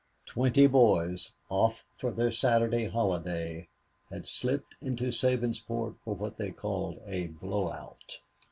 Twenty boys, off for their Saturday holiday, had slipped into Sabinsport for what they called a "blow out."